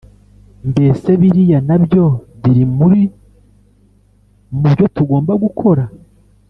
Mbese biriya nabyo birimubyo tugomba gukora